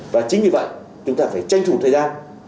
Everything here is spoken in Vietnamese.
và chính vì vậy chúng ta phải tranh thủ thời gian